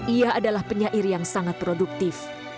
ia adalah penyair yang sangat produktif